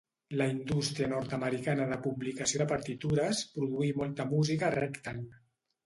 La indústria nord-americana de publicació de partitures produí molta música ragtime